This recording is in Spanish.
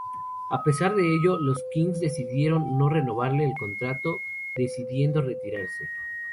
A pesar de ello, los Kings decidieron no renovarle el contrato, decidiendo retirarse.